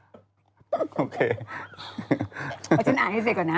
เดี๋ยวก่อนฉันอ่านให้เสร็จก่อนนะ